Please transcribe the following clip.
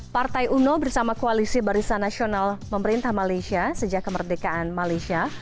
partai uno bersama koalisi barisan nasional pemerintah malaysia sejak kemerdekaan malaysia